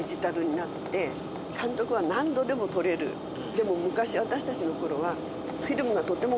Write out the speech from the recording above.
でも昔私たちの頃は。